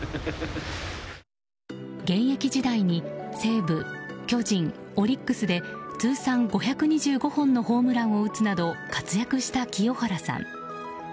現役時代に西武、巨人、オリックスで通算５２５本のホームランを打つなど活躍した清原さん。